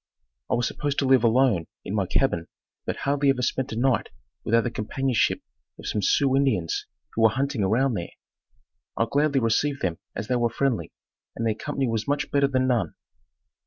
I was supposed to live alone in my cabin but hardly ever spent a night without the companionship of some Sioux Indians who were hunting around there. I gladly received them as they were friendly, and their company was much better than none.